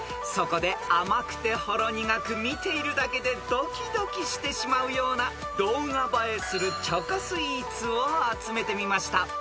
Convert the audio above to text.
［そこで甘くてほろ苦く見ているだけでドキドキしてしまうような動画映えするチョコスイーツを集めてみました］